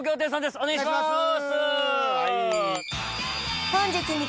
お願いしますー